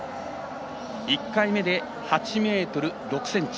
１回目で８ｍ６ｃｍ。